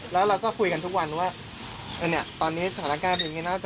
แล้วเราก็คุยกันทุกวันว่าตอนนี้สถานการณ์อย่างนี้นะ